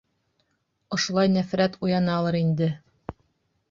Ошолай нәфрәт уяналыр инде.